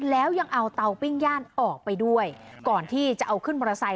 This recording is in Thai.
แล้วยังเอาเตาปิ้งย่านออกไปด้วยก่อนที่จะเอาขึ้นมอเตอร์ไซค